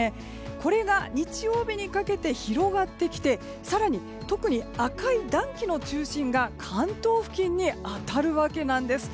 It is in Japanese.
これが日曜日にかけて広がってきて更に特に赤い暖気の中心が関東付近に当たるわけなんです。